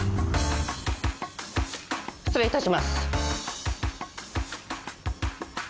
・失礼いたします。